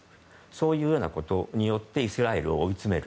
そういうようなことによってイスラエルを追い詰める。